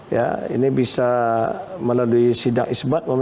ya ini bisa melalui sidang isbat